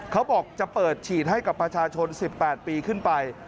เขาบอกจะเปิดฉีดให้กับประชาชน๑๘ปีขึ้นไป